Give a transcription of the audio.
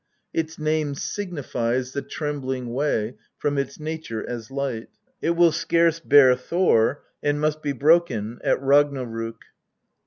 Its name signifies the " trembling way," from its nature as light. It will scarce bear Thor, and must be broken at Ragnarok.